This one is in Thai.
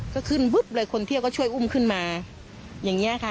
ก็ขึ้นปุ๊บเลยคนเที่ยวก็ช่วยอุ้มขึ้นมาอย่างนี้ค่ะ